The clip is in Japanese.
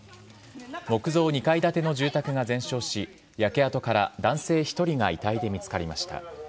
木造２階建ての住宅が全焼し、焼け跡から男性１人が遺体で見つかりました。